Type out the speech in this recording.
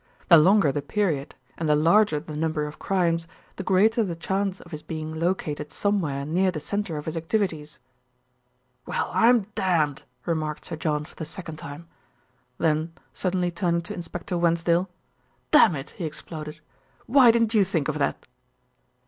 The longer the period and the larger the number of comes, the greater the chance of his being located somewhere near the centre of his activities." "Well, I'm damned!" remarked Sir John for the second time. Then suddenly turning to Inspector Wensdale, "Dammit!" he exploded, "why didn't you think of that?"